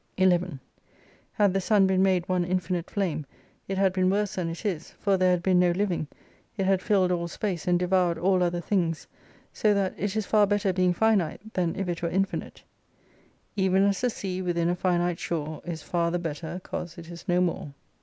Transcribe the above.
11 Had the Sun been made one infinite flame, it had been worse than it is, for there had been no living ; it had filled all space, and devoured all other things. So that it is far better being finite, than if it were infinite. Even as the sea within a finite shore Is far the better 'cause it is no more.